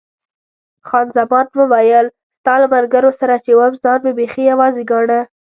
خان زمان وویل، ستا له ملګرو سره چې وم ځان مې بیخي یوازې ګاڼه.